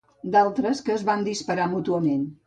D'altres, que es van disparar mútuament.